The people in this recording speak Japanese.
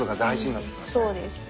そうですね。